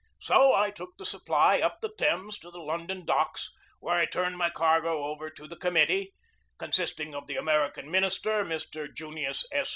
So I took the Supply up the Thames to the London docks, where I turned my cargo over to the committee, consisting of the American minister, Mr. Junius S.